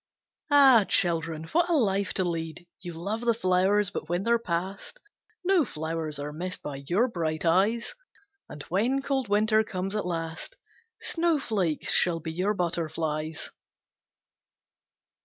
Ah, children, what a life to lead: You love the flowers, but when they're past No flowers are missed by your bright eyes; And when cold winter comes at last, Snowflakes shall be your butterflies.